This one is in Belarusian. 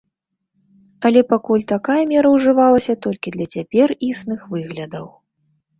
Але пакуль такая мера ўжывалася толькі для цяпер існых выглядаў.